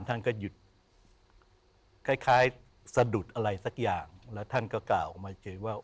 ท่านก็หยุดคล้ายสะดุดอะไรสักอย่างแล้วท่านก็กล่าวออกมาเจอว่า